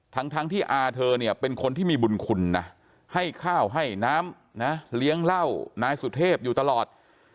ทั้งที่อาเธอเนี่ยเป็นคนที่มีบุญคุณนะให้ข้าวให้น้ำนะเลี้ยงเหล้านายสุเทพอยู่ตลอด